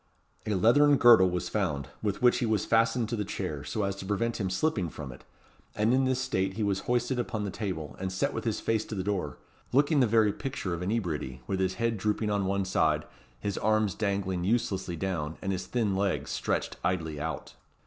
A leathern girdle was found, with which he was fastened to the chair, so as to prevent him slipping from it; and in this state he was hoisted upon the table, and set with his face to the door; looking the very picture of inebriety, with his head drooping on one side, his arms dangling uselessly down, and his thin legs stretched idly out.